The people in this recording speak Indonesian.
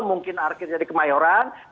mungkin parkirnya di kemayoran